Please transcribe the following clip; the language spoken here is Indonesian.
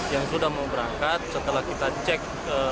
yang sudah mau berangkat setelah kita cek